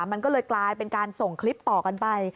มันก็เลยกลายเป็นการส่งคลิปต่อกันไป